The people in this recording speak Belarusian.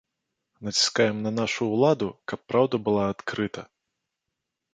Націскаем на нашу ўладу, каб праўда была адкрыта.